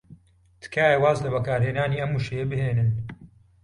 تکایە واز لە بەکارهێنانی ئەو وشەیە بهێنن.